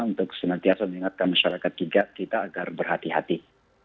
untuk senantiasa mengingatkan masyarakat juga kita agar berhati hati